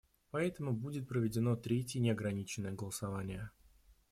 Поэтому будет проведено третье неограниченное голосование.